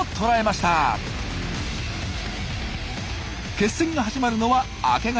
決戦が始まるのは明け方。